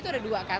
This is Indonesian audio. itu ada dua kan